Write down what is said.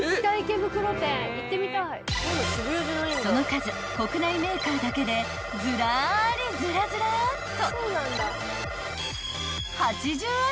［その数国内メーカーだけでずらりずらずらっと］